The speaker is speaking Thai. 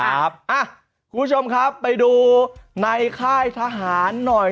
คุณผู้ชมครับไปดูในค่ายทหารหน่อย